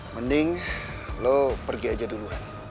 mending lo pergi aja duluan